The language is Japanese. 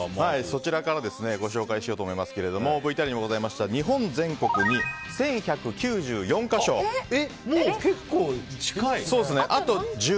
そちらからご紹介しようと思いますけれどもＶＴＲにもございました日本全国にもう結構近い。